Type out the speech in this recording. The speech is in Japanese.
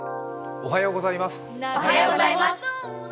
おはようございます。